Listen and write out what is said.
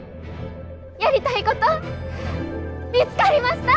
やりたいこと見つかりました！